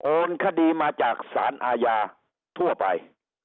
โอนคดีมาจากศาลอาญาทั่วไป